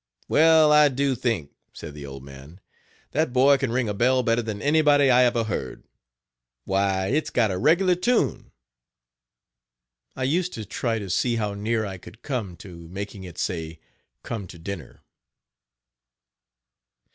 "Well, I do think," said the old man, "that boy can ring a bell better than anbody I ever heard. Why, its got a regular tune." I used to try to see how near I could come to making it say, come to dinner.